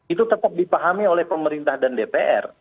itu tetap dipahami oleh pemerintah dan dpr